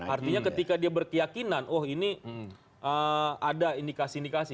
artinya ketika dia berkeyakinan oh ini ada indikasi indikasi